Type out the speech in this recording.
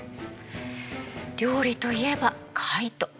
料理といえばカイト。